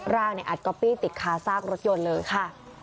ร่างเนี่ยอัดกอปปี้ติดค้าสร้างรถยนต์เลยค่ะ